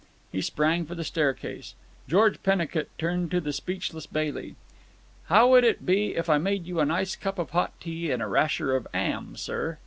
He sprang for the staircase. George Pennicut turned to the speechless Bailey. "How would it be if I made you a nice cup of hot tea and a rasher of 'am, sir?"